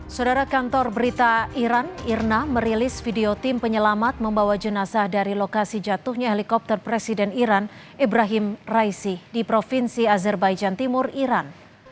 saudara kantor berita iran irna merilis video tim penyelamat membawa jenazah dari lokasi jatuhnya helikopter presiden iran ibrahim raisi di provinsi azerbaijan timur iran